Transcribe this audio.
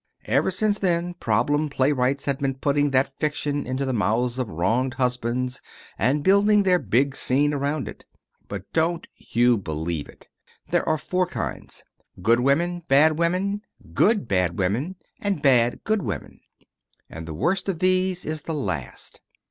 Ever since then problem playwrights have been putting that fiction into the mouths of wronged husbands and building their "big scene" around it. But don't you believe it. There are four kinds: good women, bad women, good bad women, and bad good women. And the worst of these is the last.